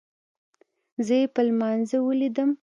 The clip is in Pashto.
زه يې په لمانځه وليدم.